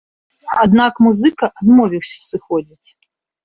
Аднак музыка адмовіўся сыходзіць.